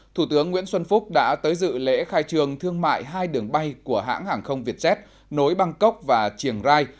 thủ tướng nguyễn xuân phúc đã tới dự lễ khai trường thương mại hai đường bay của hãng hàng không vietjet nối bangkok và chiềng rai